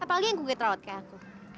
apalagi yang kukit rawat kayak aku